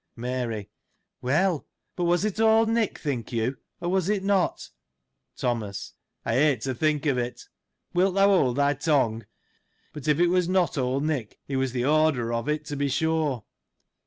Mary. — Well : but was it old Nick, think you, or it was not ? Thomas. — I hate to think of it. Wilt thou hold thy tongue — but if it was not old Niek, he was the orderer of it, to be sure.